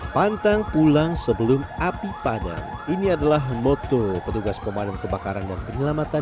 pantang pulang sebelum api padam ini adalah moto petugas pemadam kebakaran dan penyelamatan